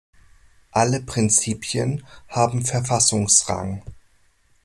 Alle Prinzipien haben Verfassungsrang.